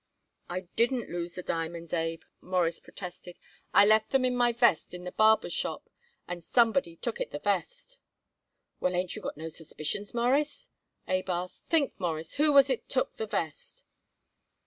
"I didn't lose the diamonds, Abe," Morris protested. "I left 'em in my vest in the barber shop and somebody took it the vest." "Well, ain't you got no suspicions, Mawruss?" Abe asked. "Think, Mawruss, who was it took the vest?"